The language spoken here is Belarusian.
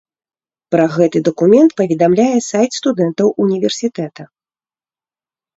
Пра гэты дакумент паведамляе сайт студэнтаў універсітэта.